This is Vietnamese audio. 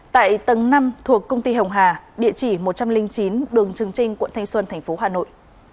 tại tầng năm thuộc công ty hồng hà địa chỉ một trăm linh chín đường trường trinh quận thanh xuân tp hà nội